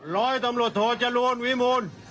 ร้อยตำรวจโทจรูลวิมูล